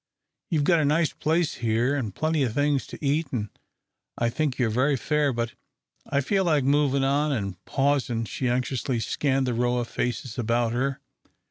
You've got a nice place here, an' plenty o' things to eat, an' I think you're very fair, but I feel like movin' on," and pausing, she anxiously scanned the row of faces about her.